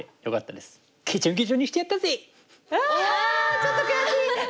ちょっと悔しい。